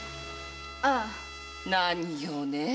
ああ。何よねえ。